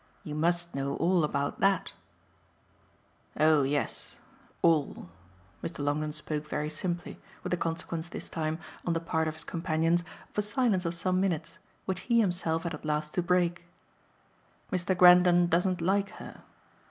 You must know all about that." "Oh yes ALL." Mr. Longdon spoke very simply, with the consequence this time, on the part of his companions, of a silence of some minutes, which he himself had at last to break. "Mr. Grendon doesn't like her."